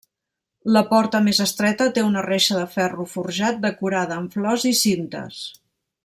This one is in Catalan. La porta més estreta té una reixa de ferro forjat decorada amb flors i cintes.